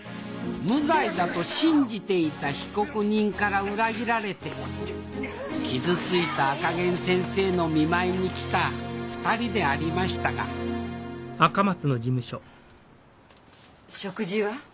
無罪だと信じていた被告人から裏切られて傷ついた赤ゲン先生の見舞いに来た２人でありましたが食事は？